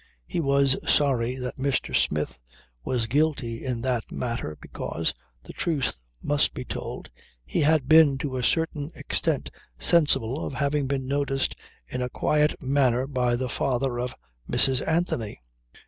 He was sorry that Mr. Smith was guilty in that matter because, the truth must be told, he had been to a certain extent sensible of having been noticed in a quiet manner by the father of Mrs. Anthony.